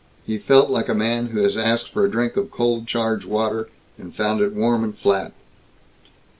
He felt like a man who has asked for a drink of cold charged water and found it warm and flat.